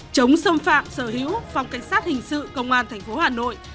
chống xâm phạm sở hữu phòng cảnh sát hình sự công an tp hà nội